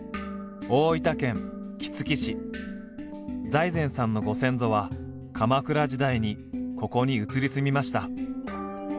財前さんのご先祖は鎌倉時代にここに移り住みました。